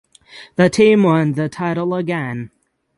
The team won the title again.